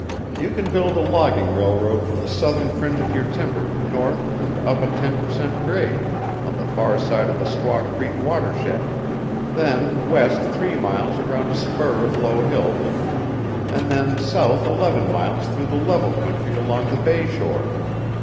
You can build a logging railroad from the southern fringe of your timber north and up a ten per cent. grade on the far side of the Squaw Creek watershed, then west three miles around a spur of low hills, and then south eleven miles through the level country along the bay shore.